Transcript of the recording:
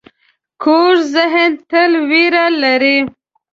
کوږ ذهن تل وېره لري